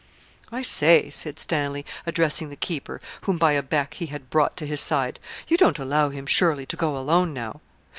'I say,' said Stanley, addressing the keeper, whom by a beck he had brought to his side, 'you don't allow him, surely, to go alone now?'